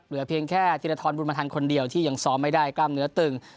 เหลือเพียงแค่ธิรทรบุญมาทันคนเดียวที่ยังซ้อมไม่ได้กล้ามเนื้อตึง